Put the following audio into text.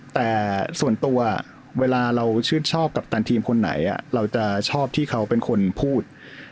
แต่ส่วนตัวเวลาเราชื่นชอบกัปตันทีมคนไหนเราจะชอบที่เขาเป็นคนพูด